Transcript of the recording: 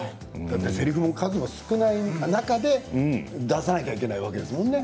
せりふの数も少ない中で出さなきゃいけないわけですものね。